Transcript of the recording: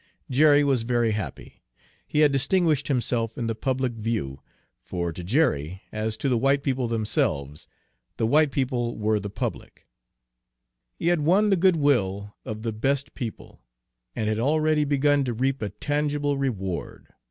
Jerry was very happy. He had distinguished himself in the public view, for to Jerry, as to the white people themselves, the white people were the public. He had won the goodwill of the best people, and had already begun to reap a tangible reward.